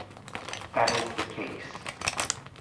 That is the case.